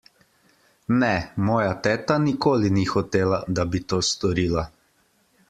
Ne, moja teta nikoli ni hotela, da bi to storila.